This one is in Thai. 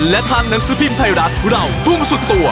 และทางหนังสือพิมพ์ไทยรัฐเราทุ่มสุดตัว